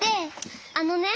あのね。